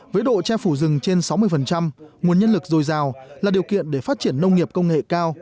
với độ che phủ rừng trên sáu mươi nguồn nhân lực dồi dào là điều kiện để phát triển nông nghiệp công nghệ cao